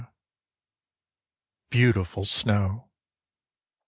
BEAUTIFUL SNOW.